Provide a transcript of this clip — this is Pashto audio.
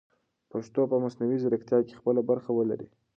پښتو به په مصنوعي ځیرکتیا کې خپله برخه ولري.